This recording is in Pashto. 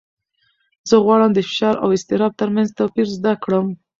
زه غواړم د فشار او اضطراب تر منځ توپیر زده کړم.